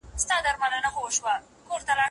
فریب او ریا د څېړنې له مزاج سره نه جوړیږي.